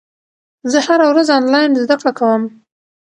زه هره ورځ انلاین زده کړه کوم.